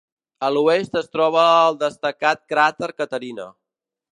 A l'oest es troba el destacat cràter Caterina.